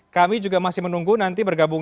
kami juga masih menunggu nanti bergabung